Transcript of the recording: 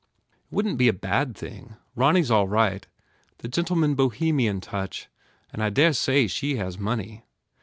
"It wouldn t be a bad thing. Ronny s all right the gentleman Bohemian touch and I dare say she has money."